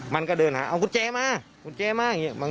มันก็เดินหาเอากุญแจมาเอากุญแจมา